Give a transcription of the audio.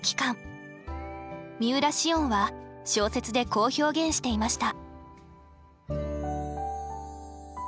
三浦しをんは小説でこう表現していました。